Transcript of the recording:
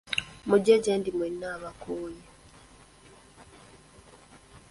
Muje gye ndi mwenna abakooye.